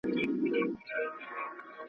نا خبره د انسان له چل او دامه `